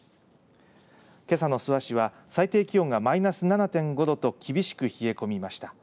けさの諏訪市は最低気温がマイナス７．５度と厳しく冷え込みました。